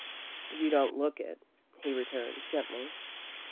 "You don't look it," he returned, gently.